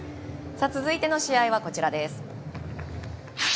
続いての試合はこちらです。